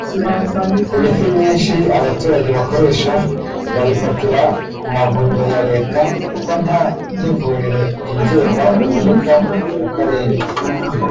Imiti myinshi abaturage bakoresha bayifatira ku mavuriro ya Leta kuko nta n’ivuriro ryigenga riboneka mu karere